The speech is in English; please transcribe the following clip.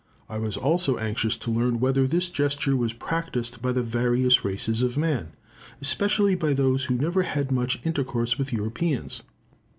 I was also anxious to learn whether this gesture was practised by the various races of man, especially by those who never have had much intercourse with Europeans.